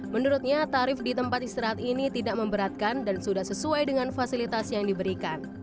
menurutnya tarif di tempat istirahat ini tidak memberatkan dan sudah sesuai dengan fasilitas yang diberikan